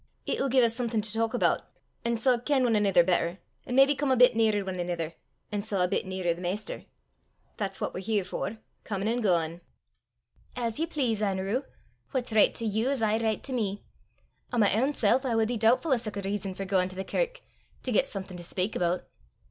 "It'll gie 's something to talk aboot, an' sae ken ane anither better, an' maybe come a bit nearer ane anither, an' sae a bit nearer the maister. That's what we're here for comin' an' gaein'." "As ye please, Anerew! What's richt to you's aye richt to me. O' my ain sel' I wad be doobtfu' o' sic a rizzon for gaein' to the kirk to get something to speyk aboot."